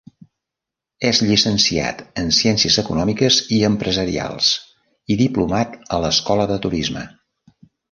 És llicenciat en ciències econòmiques i Empresarials i diplomat a l'Escola de Turisme.